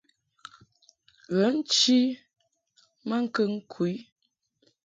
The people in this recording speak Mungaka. Ghə nchi maŋkəŋ ku i.